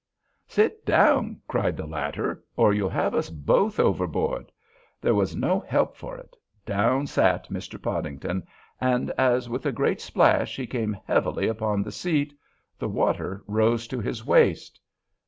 "Sit down!" cried the latter, "or you'll have us both overboard." There was no help for it; down sat Mr. Podington; and, as with a great splash he came heavily upon the seat, the water rose to his waist.